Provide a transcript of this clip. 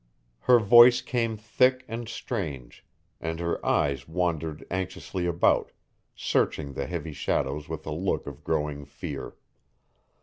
Her voice came thick and strange, and her eyes wandered anxiously about, searching the heavy shadows with a look of growing fear.